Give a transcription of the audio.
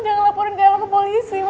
jangan laporin kaila ke polisi